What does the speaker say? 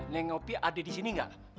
neng opi ada di sini gak